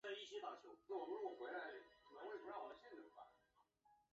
黄色素细胞将沿脊椎和四肢上端排列。